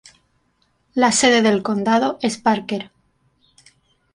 La sede del condado es Parker.